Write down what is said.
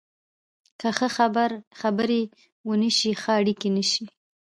که ښه خبرې ونه شي، ښه اړیکې نشي